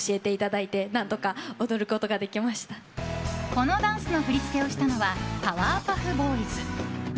このダンスの振り付けをしたのはパワーパフボーイズ。